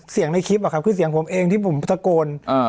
ในคลิปอะครับคือเสียงผมเองที่ผมตะโกนอ่า